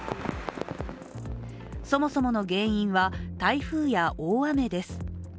そもそもの原因は台風や大雨です。